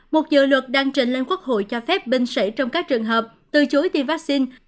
một dự luật đang trình lên quốc hội cho phép binh sĩ trong các trường hợp từ chối tiêm vaccine